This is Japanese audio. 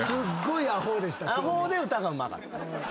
阿呆で歌がうまかった。